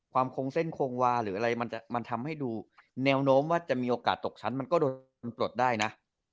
คงเส้นคงวาหรืออะไรมันทำให้ดูแนวโน้มว่าจะมีโอกาสตกชั้นมันก็ปลดได้นะ